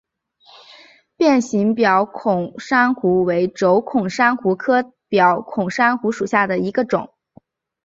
变形表孔珊瑚为轴孔珊瑚科表孔珊瑚属下的一个种。